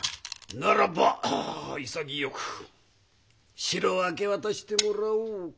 ならば潔く城を明け渡してもらおうかと。